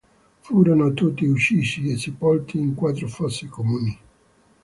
Furono tutti uccisi e sepolti in quattro fosse comuni.